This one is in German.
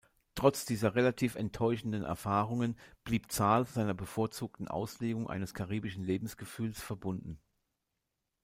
Trotz dieser relativ enttäuschenden Erfahrungen blieb Zahl seiner bevorzugten Auslegung eines "karibischen Lebensgefühls" verbunden.